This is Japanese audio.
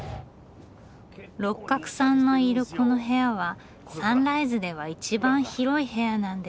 六角さんのいるこの部屋はサンライズでは一番広い部屋なんです。